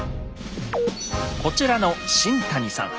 こちらの新谷さん